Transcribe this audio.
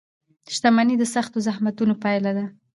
• شتمني د سختو زحمتونو پایله ده.